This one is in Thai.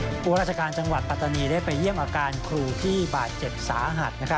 ผู้ราชการจังหวัดปัตตานีได้ไปเยี่ยมอาการครูที่บาดเจ็บสาหัส